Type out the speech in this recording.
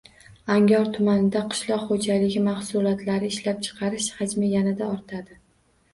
Angor tumanida qishloq xo‘jaligi mahsulotlari ishlab chiqarish hajmi yanada ortadi